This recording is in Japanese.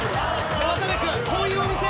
渡部君こういうお店？